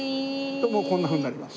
でもうこんなふうになります。